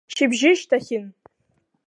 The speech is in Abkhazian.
Шьыбжьышьҭахьын.